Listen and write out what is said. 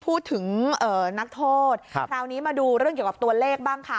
พูดถึงนักโทษคราวนี้มาดูเรื่องเกี่ยวกับตัวเลขบ้างค่ะ